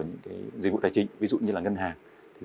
những dịch vụ tài chính ví dụ như là ngân hàng